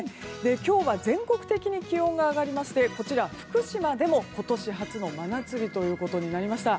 今日は全国的に気温が上がりましてこちら、福島でも今年初の真夏日となりました。